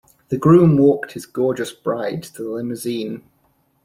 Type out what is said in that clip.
The groom walked his gorgeous bride to the limousine.